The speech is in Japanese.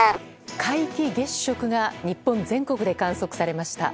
皆既月食が日本全国で観測されました。